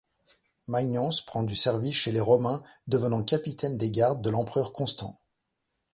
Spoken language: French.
Magnence prend du service chez les Romains, devenant capitaine des gardes de l'empereur Constant.